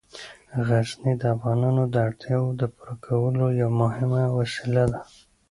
غزني د افغانانو د اړتیاوو د پوره کولو یوه مهمه وسیله ده.